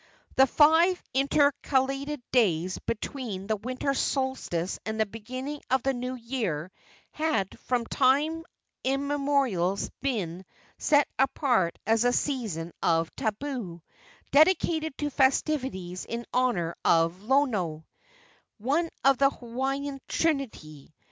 The five intercalated days between the winter solstice and the beginning of the new year had from time immemorial been set apart as a season of tabu, dedicated to festivities in honor of Lono, one of the Hawaiian trinity.